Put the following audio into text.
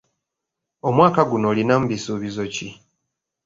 Omwaka guno olinamu bisuubizo ki?